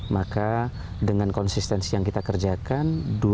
maka dengan konsistensi yang kita kerjakan